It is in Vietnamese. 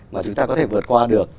mà chúng ta có thể vượt qua được